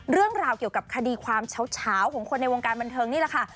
เรื่องราวเกี่ยวกับคดีความเฉาของคนในวงการบันเทิงนี่แหละค่ะ